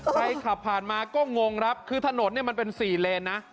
ใครขับผ่านมาก็งงครับคือถนนเนี่ยมันเป็น๔เลนนะ